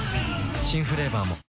新フレーバーも。